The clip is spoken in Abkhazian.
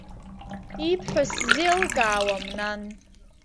Ибҳәо сзеилкаауам, нан.